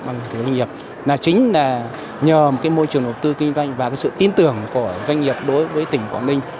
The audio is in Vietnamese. doanh nghiệp chính là nhờ một môi trường đầu tư kinh doanh và sự tin tưởng của doanh nghiệp đối với tỉnh quảng ninh